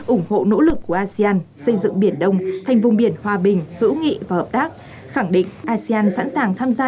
ủng hộ nỗ lực của asean xây dựng biển đông thành vùng biển hòa bình hữu nghị và hợp tác khẳng định asean sẵn sàng tham gia